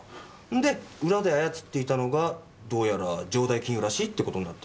んで裏で操っていたのがどうやら城代金融らしいって事になって。